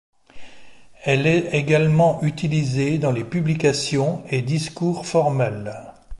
Elle est également utilisée dans les publications et discours formels.